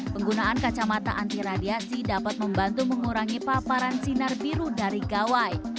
penggunaan kacamata anti radiasi dapat membantu mengurangi paparan sinar biru dari gawai